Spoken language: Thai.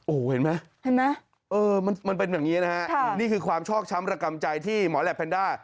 โอ้โฮเห็นไหมมันเป็นอย่างนี้นะฮะนี่คือความชอบช้ำระกำใจที่หมอแหละแพนด้า